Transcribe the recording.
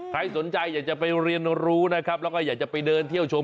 ใครสนใจอยากจะไปเรียนรู้นะครับแล้วก็อยากจะไปเดินเที่ยวชม